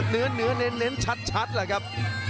เนื้อเน้นชัดแหละครับ